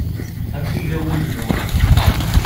Amek iga wul-nwen?